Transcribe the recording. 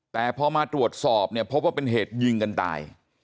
แต่พอมาตรวจสอบเนี่ยพบว่าเป็นเหตุยิงกันตาย